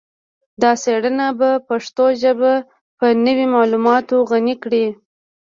دا څیړنه به پښتو ژبه په نوي معلوماتو غني کړي